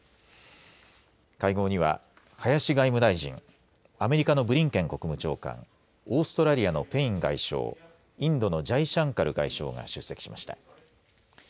会合には林外務大臣アメリカのブリンケン国務長官オーストラリアのペイン外相インドのジャイシャンカル外相が出席しました。